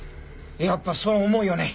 やっぱそう思うよね！